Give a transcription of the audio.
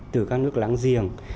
từ các nước láng giềng